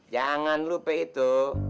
jangan lupa itu